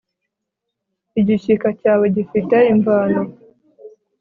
igishyika cyawe gifite imvano